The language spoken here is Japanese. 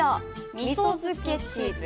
「みそ漬け」チーズ。